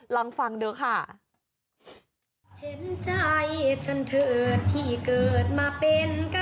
ลองฟังด้วยค่ะ